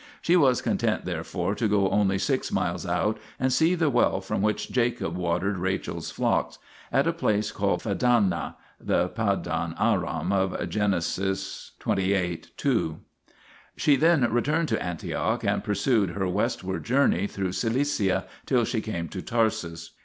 She was content, therefore, to go only six miles out and see the well from which Jacob watered Rachel's flocks, at a place called Fadana (the Paddan Aram of Gen. xxviii. 2). She then returned to Antioch and pursued her westward journey, through Cilicia, till she came to Tarsus.